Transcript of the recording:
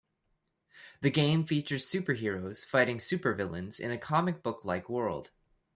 The game features superheroes fighting supervillains in a comic book-like world.